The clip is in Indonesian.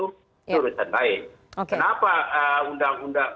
urusan lain kenapa undang undang